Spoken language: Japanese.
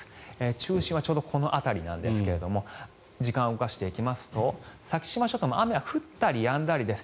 中心はちょうどこの辺りなんですが時間を動かしますと先島諸島も雨は降ったりやんだりです。